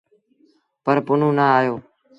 پر پنهون نا آيو۔